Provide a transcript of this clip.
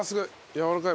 やわらかい。